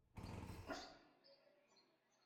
Qeṛṛiḥ diddi!